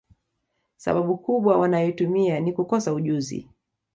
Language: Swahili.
Sababu kubwa wanayoitumia ni kukosa ujuzi